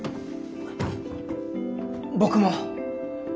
僕も。